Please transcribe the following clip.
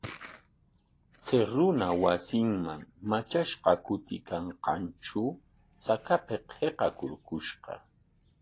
Chay runa wasinman matrashqa kutiykanqantraw chakapik hiqarpushqa.